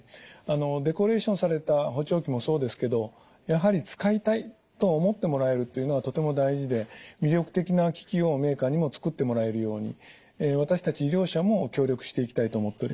デコレーションされた補聴器もそうですけどやはり使いたいと思ってもらえるというのはとても大事で魅力的な機器をメーカーにも作ってもらえるように私たち医療者も協力していきたいと思っております。